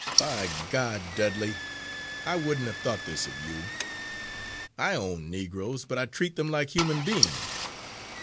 By G d, Dudley, I wouldn't have thought this of you! I own Negroes, but I treat them like human beings.